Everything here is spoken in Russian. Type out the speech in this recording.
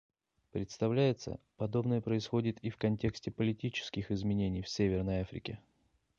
Представляется, подобное происходит и в контексте политических изменений в Северной Африке.